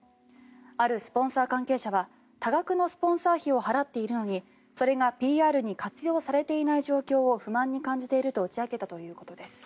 あるスポンサー関係者は多額のスポンサー費を払っているのにそれがＰＲに活用されていない状況を不満に感じていると打ち明けたということです。